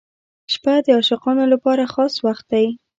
• شپه د عاشقانو لپاره خاص وخت دی.